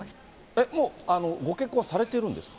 えっ、もう、ご結婚はされてるんですか。